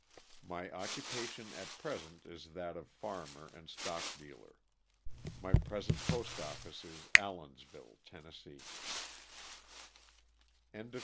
My occupation at present is that of a farmer and stockdealer. My present postoffice is Allensville, Tenn. LOSS OF THE SULTAKA.